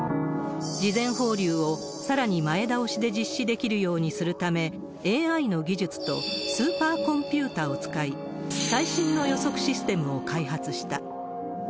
事前放流をさらに前倒しで実施できるようにするため、ＡＩの技術とスーパーコンピューターを使い、最新の予測システムを開発した。